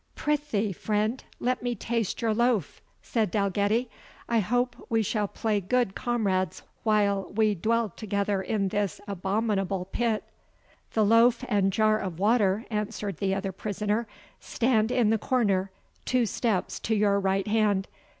"Prithee, friend, let me taste your loaf," said Dalgetty; "I hope we shall play good comrades while we dwell together in this abominable pit." "The loaf and jar of water," answered the other prisoner, "stand in the corner, two steps to your right hand.